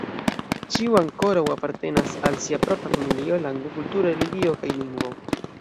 Ĉiu ankoraŭ apartenas al sia propra familio, lando, kulturo, religio, kaj lingvo.